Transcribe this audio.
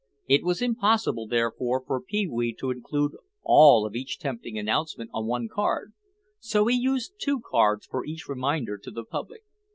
It was impossible, therefore, for Pee wee to include all of each tempting announcement on one card, so he used two cards for each reminder to the public.